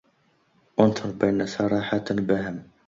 أأنثر درا بين سارحة البهم